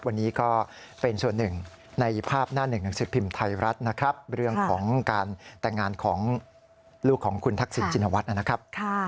วันนี้ก็เป็นส่วนหนึ่งในภาพหน้าหนึ่งหนังสือพิมพ์ไทยรัฐนะครับเรื่องของการแต่งงานของลูกของคุณทักษิณชินวัฒน์นะครับ